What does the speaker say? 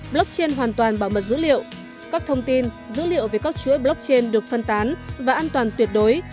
blockchain hoàn toàn bảo mật dữ liệu các thông tin dữ liệu về các chuỗi blockchain được phân tán và an toàn tuyệt đối